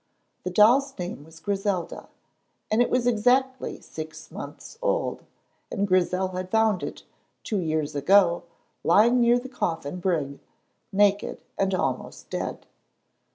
The doll's name was Griselda, and it was exactly six months old, and Grizel had found it, two years ago, lying near the Coffin Brig, naked and almost dead.